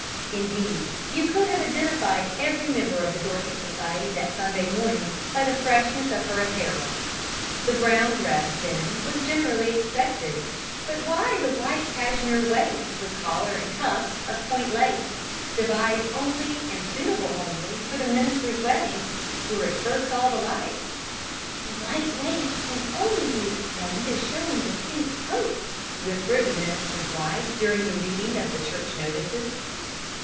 Indeed, you could have identified every member of the Dorcas Society that Sunday morning by the freshness of her apparel. The brown dress, then, was generally expected; but why the white cashmere waist with collar and cuffs of point lace, devised only and suitable only for the minister's wedding, where it first saw the light? "The white waist can only be explained as showing distinct hope!" whispered the minister's wife during the reading of the church notices.